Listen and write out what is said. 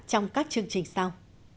hẹn gặp lại các chương trình sau